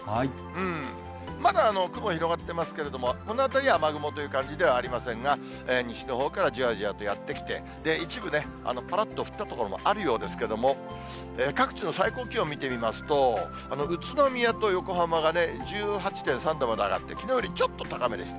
うーん、まだ雲広がってますけれども、この辺りは雨雲という感じではありませんが、西のほうからじわじわとやってきて、一部ね、ぱらっと降った所もあるようですけれども、各地の最高気温見てみますと、宇都宮と横浜が１８．３度まで上がって、きのうよりちょっと高めでした。